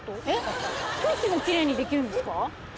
えっ空気もきれいにできるんですか？